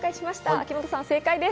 秋元さん、正解です。